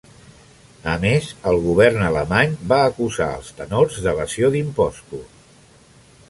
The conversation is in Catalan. A més, el govern alemany va acusar els tenors d'evasió d'impostos.